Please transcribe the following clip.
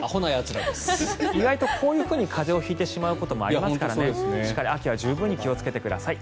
意外とこういうふうに風邪を引いてしまうことがありますからしっかり秋は十分に気をつけてください。